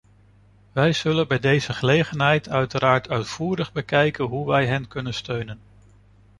Wij zullen bij deze gelegenheid uiteraard uitvoerig bekijken hoe wij hen kunnen steunen.